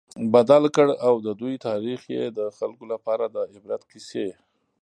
بدل کړ، او د دوی تاريخ ئي د خلکو لپاره د عبرت قيصي